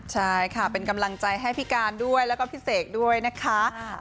ใช่ค่ะเป็นกำลังใจให้พี่การด้วยแล้วก็พี่เสกด้วยนะคะ